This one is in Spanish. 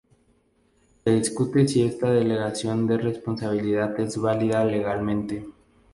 Se discute si esta delegación de responsabilidad es válida legalmente.